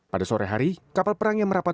pada sore hari kapal perang yang merapat